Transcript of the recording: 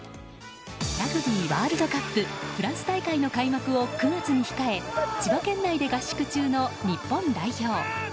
ラグビーワールドカップフランス大会の開幕を９月に控え千葉県内で合宿中の日本代表。